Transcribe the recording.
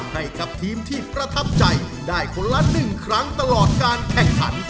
ให้กับทีมที่ประทับใจได้คนละ๑ครั้งตลอดการแข่งขัน